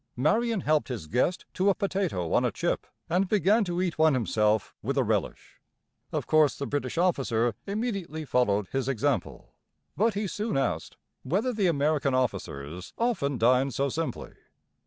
Marion helped his guest to a potato on a chip, and began to eat one himself with a relish. Of course the British officer immediately followed his example; but he soon asked whether the American officers often dined so simply.